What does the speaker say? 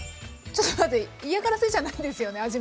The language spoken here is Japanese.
ちょっと待って嫌がらせじゃないですよね？